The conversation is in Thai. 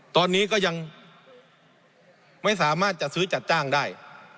ตอนนี้ก็ยังไม่สามารถจัดซื้อจัดจ้างได้